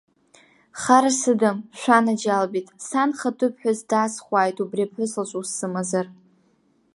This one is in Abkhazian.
Хара сыдым, шәанаџьалбеит, сан хатәы ԥҳәысс даасхәааит убри аԥҳәыс лҿы ус сымазар.